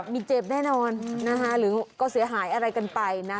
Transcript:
มีเจ็บแน่นอนนะคะหรือก็เสียหายอะไรกันไปนะ